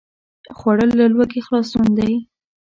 خوړل له لوږې خلاصون دی